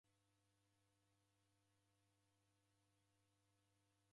Iri ng'ombe ni ra W'adaw'ida?